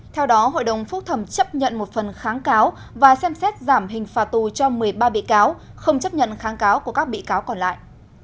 theo đó hội đồng phúc thẩm chấp nhận một phần kháng cáo và xem xét giảm hình phạt tù cho một mươi ba bị cáo không chấp nhận kháng cáo của các bị cáo còn lại